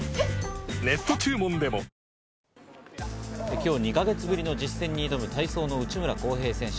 今日、２か月ぶりの実戦に挑む体操の内村航平選手。